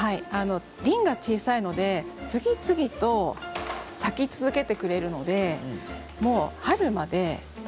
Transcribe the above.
輪が小さいので次々と咲き続けてくれるので春まで？